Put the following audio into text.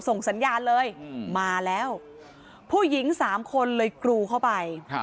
ส่งสัญญาณเลยมาแล้วผู้หญิงสามคนเลยกรูเข้าไป